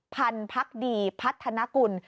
พันพักดีพัฒนกุล